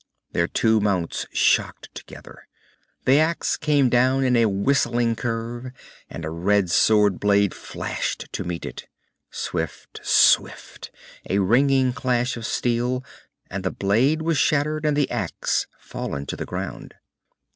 Their two mounts shocked together. The axe came down in a whistling curve, and a red sword blade flashed to meet it. Swift, swift, a ringing clash of steel, and the blade was shattered and the axe fallen to the ground.